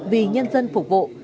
vì nhân dân phục vụ